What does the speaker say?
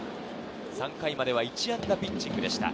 ３回までは１安打ピッチングでした。